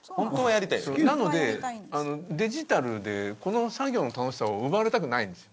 なのでデジタルでこの作業の楽しさを奪われたくないんです。